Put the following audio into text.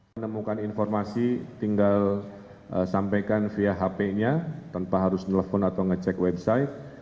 menemukan informasi tinggal sampaikan via hp nya tanpa harus nelfon atau ngecek website